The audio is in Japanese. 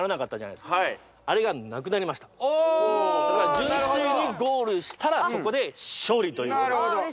純粋にゴールしたらそこで勝利ということで。